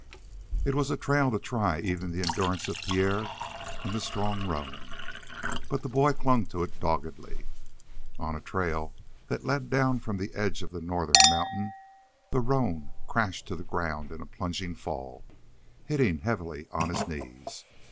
It was a trail to try even the endurance of Pierre and the strong roan, but the boy clung to it doggedly. On a trail that led down from the edges of the northern mountain the roan crashed to the ground in a plunging fall, hitting heavily on his knees.